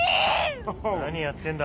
何やってんだ？